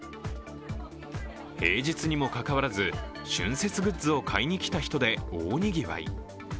平日にもかかわらず、春節グッズを買いに来た人で大にぎわい。